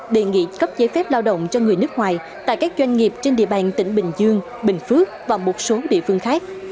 đề nghị cấp giấy phép lao động cho người nước ngoài tại các doanh nghiệp trên địa bàn tỉnh bình dương bình phước và một số địa phương khác